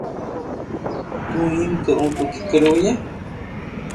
تو ايم ڪرو تو ڪيڪر ھوئي